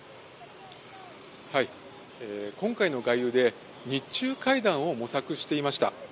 今回の外遊で日中会談を模索していました。